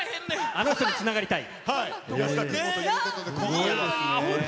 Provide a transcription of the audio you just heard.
あの人につながりたい。